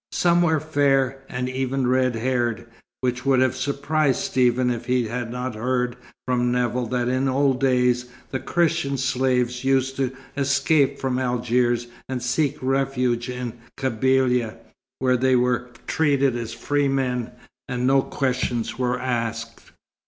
Some were fair, and even red haired, which would have surprised Stephen if he had not heard from Nevill that in old days the Christian slaves used to escape from Algiers and seek refuge in Kabylia, where they were treated as free men, and no questions were asked.